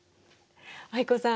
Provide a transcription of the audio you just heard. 藍子さん